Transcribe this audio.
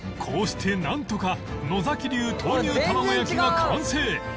こうしてなんとか野流豆乳たまご焼きが完成